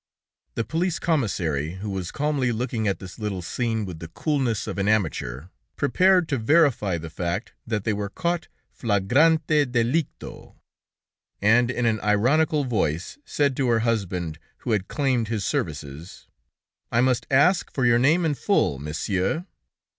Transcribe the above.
The police commissary, who was calmly looking at this little scene with the coolness of an amateur, prepared to verify the fact that they were caught flagrante delicto, and in an ironical voice said to her husband, who had claimed his services: "I must ask for your name in full, Monsieur?"